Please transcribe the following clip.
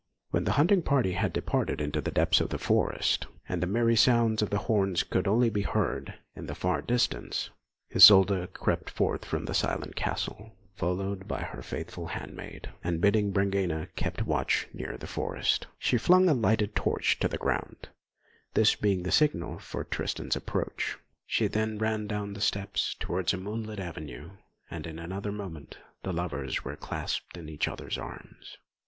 When the hunting party had departed into the depths of the forest, and the merry sounds of the horns could only be heard in the far distance, Isolda crept forth from the silent castle, followed by her faithful handmaid; and bidding Brangæna keep watch near the forest, she flung a lighted torch to the ground, this being the signal for Tristan's approach. She then ran down the steps towards a moonlit avenue, and in another moment the lovers were clasped in each other's arms.